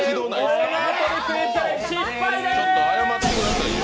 ちょっと謝ってくださいよ。